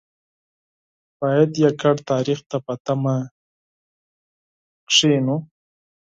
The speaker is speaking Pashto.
باید یوازې تاریخ ته په تمه کېنو.